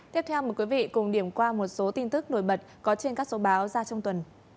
tiếp theo mời quý vị cùng điểm qua một số tin tức nổi bật có trên các số báo ra trong tuần